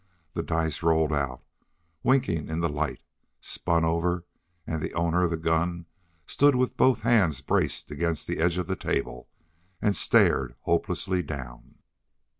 The dice rolled out, winking in the light, spun over, and the owner of the gun stood with both hands braced against the edge of the table, and stared hopelessly down.